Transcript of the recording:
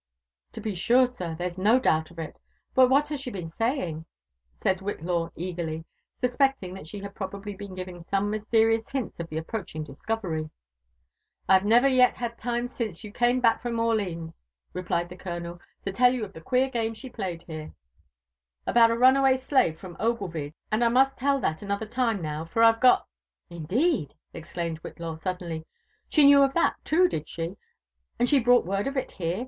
To be. sure, sir, there's no doubt of it. But what has she been saying ?" said Whillaw eagerly, suspecting that she had probably been giving some mysterious hints of the. approaching discovery. •* I have never yet had time since you came back, from Orlines," re plied the colonel, to tell you of the queer game she played here JONATHAN JEFFERSON WHITLAW. 277 aboul a runaway slave from Oglevie's — ^aod I must tell that another time now, for Fve got —"Indeed 1" exclaimed Whillaw suddenly ;she knew of that too, did she? — and she brought word of it here